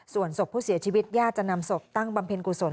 ส่วนศพผู้เสียชีวิตญาติจะนำศพตั้งบำเพ็ญกุศล